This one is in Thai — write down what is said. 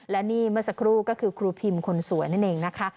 และนี่เมื่อสักครู่ก็คือครูพิมคนสวยนั่นเองนะคะ